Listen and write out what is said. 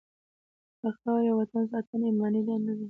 د خاورې او وطن ساتنه ایماني دنده ده.